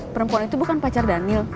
perempuan itu bukan pacar daniel